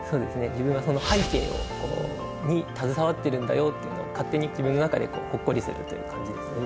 自分はその背景に携わってるんだよというのを勝手に自分の中でほっこりするという感じですね。